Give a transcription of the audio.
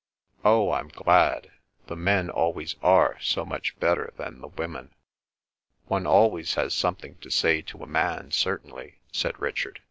"Oh, I'm glad. The men always are so much better than the women." "One always has something to say to a man certainly," said Richard.